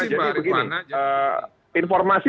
jadi begini informasi